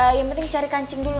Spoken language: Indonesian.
yang penting cari kancing dulu